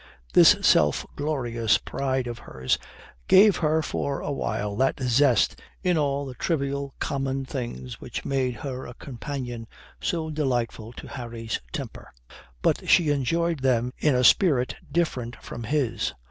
This self glorious pride of hers gave her for a while that zest in all the trivial common things which made her a companion so delightful to Harry's temper. But she enjoyed them in a spirit different from his.